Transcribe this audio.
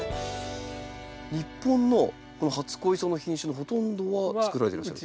日本のこの初恋草の品種のほとんどはつくられてるんですか？